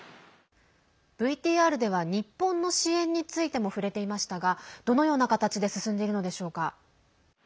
ＶＴＲでは、日本の支援についても触れていましたがどのような形で進んでいるのでしょうか？